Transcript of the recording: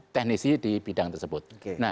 teknisi di bidang tersebut